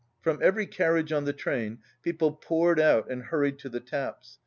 From every carriage on the train people poured out and hurried to the taps.